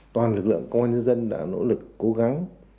toàn lực lượng công an nhân dân đã nỗ lực cố gắng